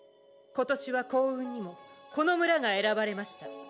今年は幸運にもこの村が選ばれました。